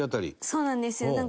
そうなんですよ。